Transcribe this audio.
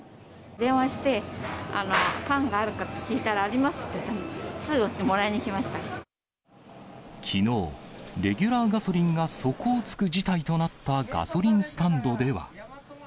電話して、パンがあるか聞いたら、ありますって言ったので、すぐもらいに来きのう、レギュラーガソリンが底をつく事態となったガソリンスタンドでは。